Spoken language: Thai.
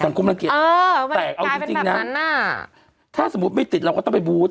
รังเกียจแต่เอาจริงนะถ้าสมมุติไม่ติดเราก็ต้องไปบูธ